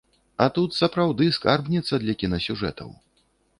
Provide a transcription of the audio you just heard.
А тут, сапраўды, скарбніца для кінасюжэтаў.